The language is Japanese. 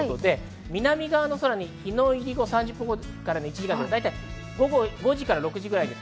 南側の空に日の入後３０分後からの１時間後、だいたい午後５時から６時ぐらいです。